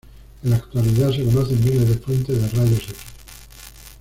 En la actualidad se conocen miles de fuentes de rayos-x.